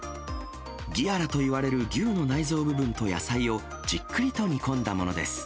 ギアラと呼ばれる牛と野菜をじっくりと煮込んだものです。